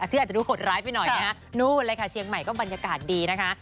ชื่ออาจจะดูหดร้ายไปหน่อยนะฮะนู่นเลยค่ะเชียงใหม่ก็บรรยากาศดีนะคะ